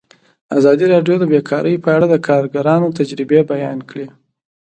ازادي راډیو د بیکاري په اړه د کارګرانو تجربې بیان کړي.